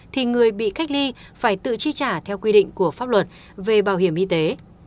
thì người bị cách ly phải tự chi trả theo quy định của pháp luật về bảo hiểm y tế